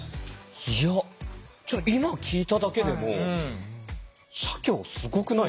いやちょっと今聞いただけでも社協すごくない？